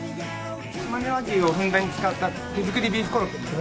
しまね和牛をふんだんに使った手作りビーフコロッケです。